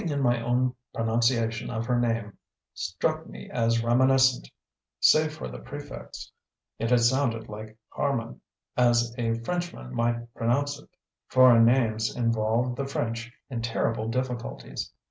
Something in my own pronunciation of her name struck me as reminiscent: save for the prefix, it had sounded like "Harman," as a Frenchman might pronounce it. Foreign names involve the French in terrible difficulties.